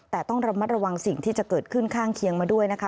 แต่ต้องระมัดระวังสิ่งที่จะเกิดขึ้นข้างเคียงมาด้วยนะคะ